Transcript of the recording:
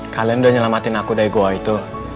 kalian udah nyelamatin aku dari goa itu